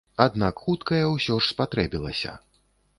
Аднак хуткая ўсё ж спатрэбілася.